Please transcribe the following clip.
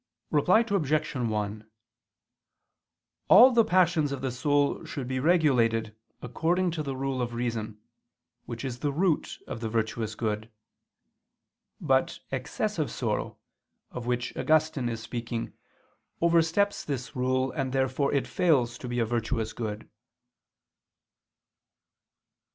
Reply Obj. 1: All the passions of the soul should be regulated according to the rule of reason, which is the root of the virtuous good; but excessive sorrow, of which Augustine is speaking, oversteps this rule, and therefore it fails to be a virtuous good.